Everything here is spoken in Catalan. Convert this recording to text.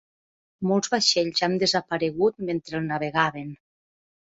Molts vaixells han desaparegut mentre el navegaven.